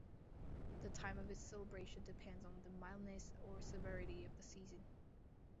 The time of its celebration depends on the mildness or severity of the season.